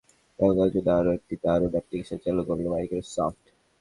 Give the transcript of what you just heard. Android mobile phone ব্যবহারকারীদের জন্য আরও একটি দারুণ অ্যাপ্লিকেশন চালু করল মাইক্রোসফট।